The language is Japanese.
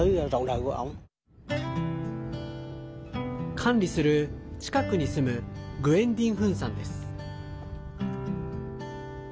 管理する、近くに住むグエン・ディン・フンさんです。